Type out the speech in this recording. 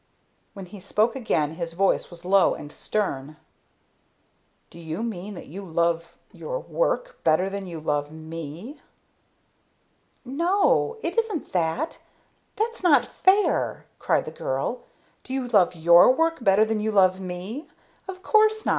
When he spoke again his voice was low and stern. "Do you mean that you love your work better than you love me?" "No! It isn't that! That's not fair!" cried the girl. "Do you love your work better than you love me? Of course not!